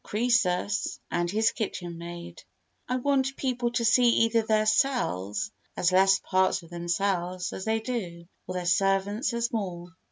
Croesus and His Kitchen Maid I want people to see either their cells as less parts of themselves than they do, or their servants as more.